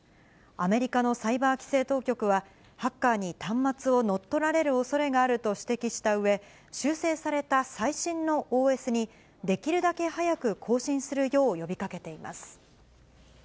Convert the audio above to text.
アメリカのサイバー規制当局は、ハッカーに端末を乗っ取られるおそれがあると指摘したうえ、修正された最新のＯＳに、できるだけ早く更新するよう呼びかけています。